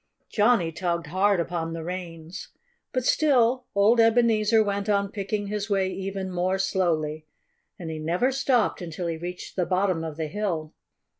Johnnie tugged hard upon the reins. But still old Ebenezer went on picking his way even more slowly. And he never stopped until he reached the bottom of the hill.